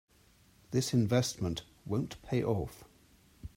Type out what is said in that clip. This investment won't pay off.